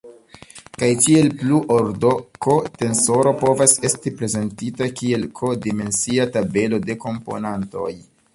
Kaj tiel plu: ordo-"k" tensoro povas esti prezentita kiel "k"-dimensia tabelo de komponantoj.